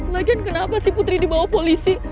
lagian kenapa sih putri dibawa polisi